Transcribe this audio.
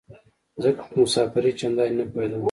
ځکه خو په مسافرۍ چندانې نه پوهېدم.